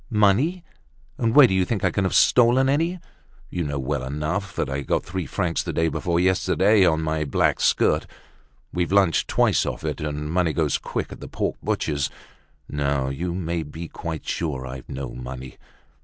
"Money! And where do you think I can have stolen any? You know well enough that I got three francs the day before yesterday on my black skirt. We've lunched twice off it, and money goes quick at the pork butcher's. No, you may be quite sure I've no money.